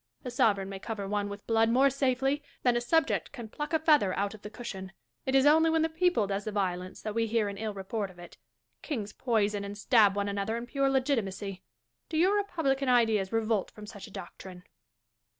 A sovereign may cover one with blood more safely than a subject can pluck a feather out of the cushion. It is only when the people does the violence that we hear an ill report of it. Kings poison and stab one another in pure legitimacy. Do your republican ideas revolt from such a doctrine